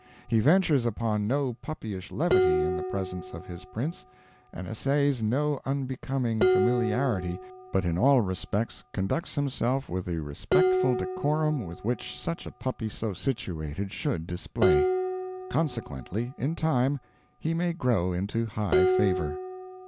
He ventures upon no puppyish levity in the presence of his prince, and essays no unbecoming familiarity, but in all respects conducts himself with the respectful decorum which such a puppy so situated should display. Consequently, in time, he may grow into high favor.